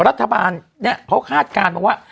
รัฐบาลเนี่ยเขาคาดการณ์มาว่า